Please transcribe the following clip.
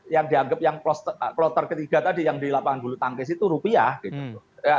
yang dianggap yang kloter ketiga tadi yang di lapangan bulu tangkis itu rupiah gitu